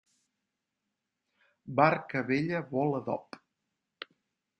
Barca vella vol adob.